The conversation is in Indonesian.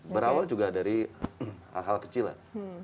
berawal juga dari hal hal kecil lah